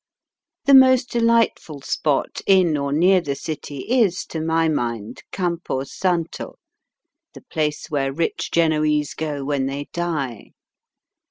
The most delightful spot in or near the city is, to my mind, Campo Santo, the place where rich Genoese go when they die.